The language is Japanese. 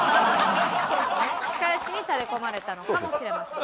仕返しにタレこまれたのかもしれませんね。